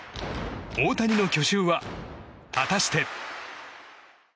大谷の去就は果たして。